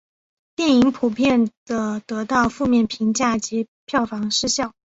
电影普遍地得到负面评价及票房失败。